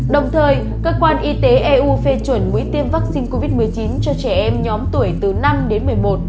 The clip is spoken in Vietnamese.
đồng thời cơ quan y tế eu phê chuẩn mũi tiêm vaccine covid một mươi chín cho trẻ em nhóm tuổi từ năm đến một mươi một